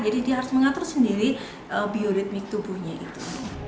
dia harus mengatur sendiri biolitmik tubuhnya itu